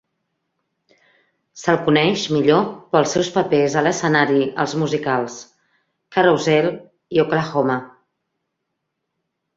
Se'l coneix millor pel seus papers a l'escenari als musicals "Carousel" i "Oklahoma!".